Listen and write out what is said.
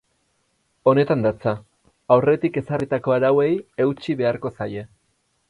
Honetan datza: aurretik ezarritako arauei eutsi beharko zaie.